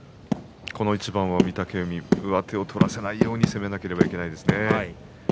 この一番は御嶽海に上手を取らせないように攻めなくては、いけませんね。